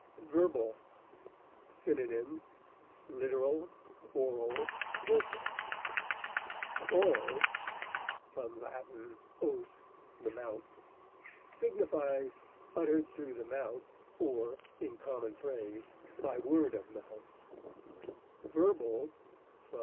VERBAL. Synonyms: literal, oral, vocal. Oral (L. os, the mouth) signifies uttered through the mouth or (in common phrase) by word of mouth; verbal (L.